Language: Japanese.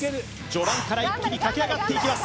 序盤から一気に駆け上がっていきます